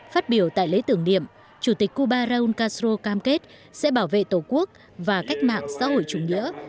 phát biểu tại lễ tưởng niệm chủ tịch cuba raúl castro cam kết sẽ bảo vệ tổ quốc và cách mạng xã hội chủ nghĩa